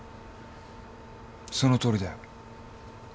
そのとおりだよ。